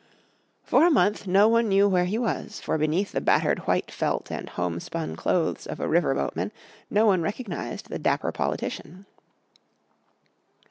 For a month no one knew where he was, for beneath the battered white felt and homespun clothes of a river boatman no one recognised the dapper politician.